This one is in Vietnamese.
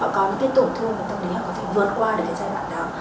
họ có thể vượt qua được giai đoạn nào